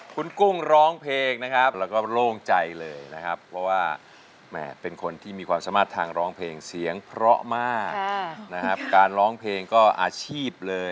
ทุกวันให้กันให้คนดีช่วยเป็นแรงใจ